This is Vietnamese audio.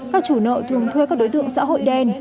các chủ nợ thường thuê các đối tượng xã hội đen